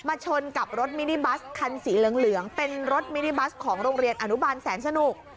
ชนกับรถมินิบัสคันสีเหลืองเป็นรถมินิบัสของโรงเรียนอนุบาลแสนสนุก